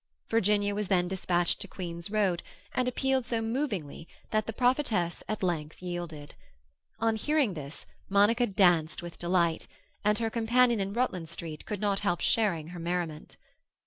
Virginia was then dispatched to Queen's Road, and appealed so movingly that the prophetess at length yielded. On hearing this Monica danced with delight, and her companion in Rutland Street could not help sharing her merriment.